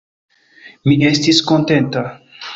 Mi estis kontenta.